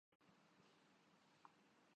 جنون صرف اچھی نہیں ناگزیر چیز ہے۔